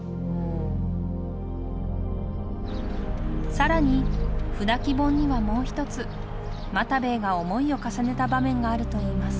更に「舟木本」にはもう一つ又兵衛が想いを重ねた場面があるといいます。